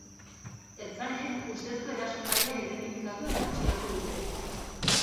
Ertzainek ustezko erasotzailea identifikatu eta atxilotu dute.